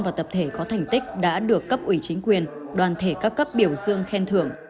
và tập thể có thành tích đã được cấp ủy chính quyền đoàn thể các cấp biểu dương khen thưởng